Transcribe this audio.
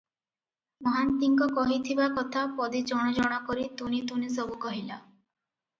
ମହାନ୍ତିଙ୍କ କହିଥିବା କଥା ପଦୀ ଜଣ ଜଣ କରି ତୁନି ତୁନି ସବୁ କହିଲା ।